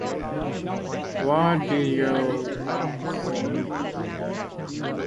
What did y'all think?